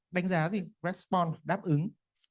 đánh giá gì respond đáp ứng